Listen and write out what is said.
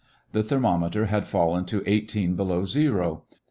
The thermometer had fallen to 18° below zero.